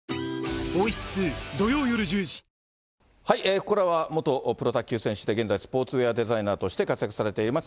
ここからは、元プロ卓球選手で、現在スポーツウエアデザイナーとして活躍されています